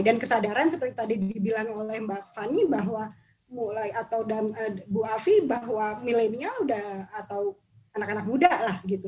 dan kesadaran seperti tadi dibilang oleh mbak fani bahwa mulai atau bu afi bahwa milenial atau anak anak muda lah gitu